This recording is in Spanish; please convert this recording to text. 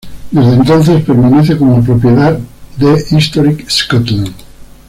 Desde entonces permanece como propiedad de Historic Scotland.